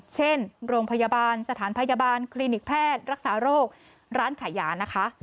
เช่นโรงพยาบาลสถานพยาบาลคลินิกแพทย์รักษาโรคร้านขายยานะคะ